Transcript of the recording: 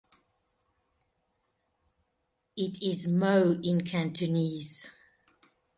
It is Mo in Cantonese.